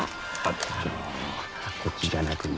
あのこっちじゃなくね。